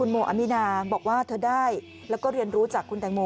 โมอามินาบอกว่าเธอได้แล้วก็เรียนรู้จากคุณแตงโม